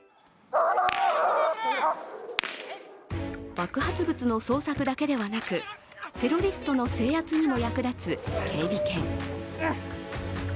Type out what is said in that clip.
爆発物の捜索だけではなく、テロリストの制圧にも役立つ警備犬。